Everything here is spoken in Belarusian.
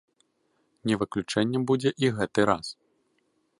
Не выключэннем будзе і гэты раз.